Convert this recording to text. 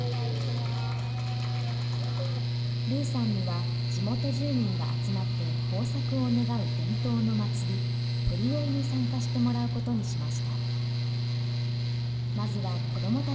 ＲＵさんには、地元住民が集まって豊作を願う伝統の祭り、鳥追いに参加してもらうことにしました。